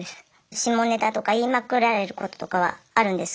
下ネタとか言いまくられることとかはあるんですけど。